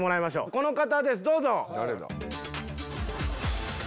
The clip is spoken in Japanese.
この方ですどうぞ！